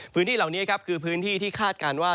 พื้นที่เหล่านี้ครับคือพื้นที่ที่คาดการณ์ว่า